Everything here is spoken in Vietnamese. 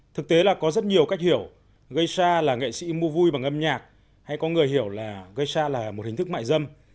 thực tế là có rất nhiều cách hiểu geisha là nghệ sĩ mua vui bằng âm nhạc hay có người hiểu là geisha là một hình thức mại dâm